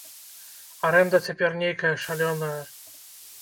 Арэнда цяпер нейкая шалёная.